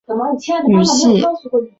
可能使用汉藏语系或南亚语系。